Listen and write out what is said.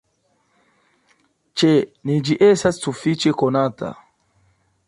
Ĉe ni ĝi estas sufiĉe konata.